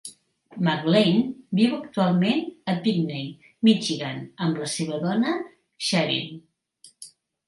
McLain viu actualment a Pinckney, Michigan, amb la seva dona, Sharyn.